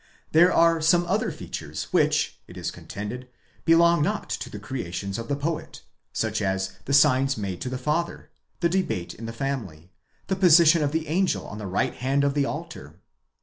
There are some other features which, it is contended, belong not to the creations of the poet; such as, the signs made to the father, the debate in the family, the position of the angel on the right hand of the altar.